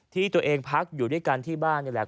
ที่ตัวเองพักอยู่ด้วยกันที่บ้านนี่แหละ